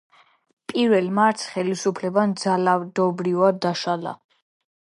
პირველ მარტს ხელისუფლებამ ძალადობრივად დაშალა.